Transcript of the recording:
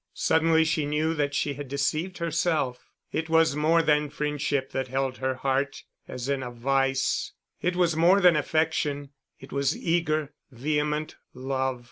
Suddenly she knew that she had deceived herself; it was more than friendship that held her heart as in a vice; it was more than affection; it was eager, vehement love.